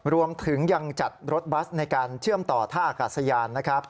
รวมถึงยังจัดรถบัสในการเชื่อมต่อท่าอากาศยานนะครับ